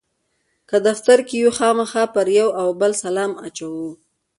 که دفتر کې یو خامخا پر یو او بل سلام اچوو.